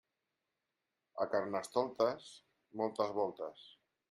A Carnestoltes, moltes voltes.